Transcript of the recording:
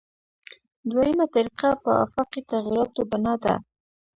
دویمه طریقه په آفاقي تغییراتو بنا ده.